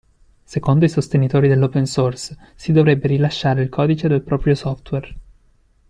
Secondo i sostenitori dell'Open Source si dovrebbe rilasciare il codice del proprio software.